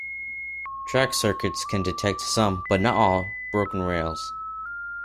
Track circuits can detect some but not all broken rails.